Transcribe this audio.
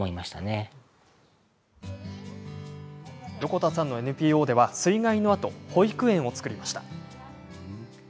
横田さんのＮＰＯでは水害のあと保育園を作りました。